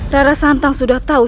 rara santang sudah tahu